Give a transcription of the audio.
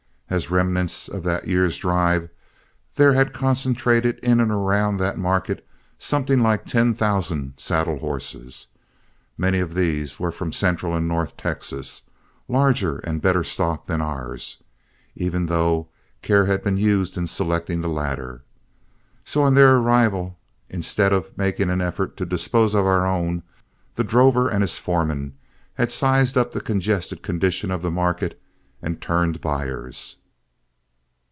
As remnants of that year's drive, there had concentrated in and around that market something like ten thousand saddle horses. Many of these were from central and north Texas, larger and better stock than ours, even though care had been used in selecting the latter. So on their arrival, instead of making any effort to dispose of our own, the drover and his foreman had sized up the congested condition of the market, and turned buyers.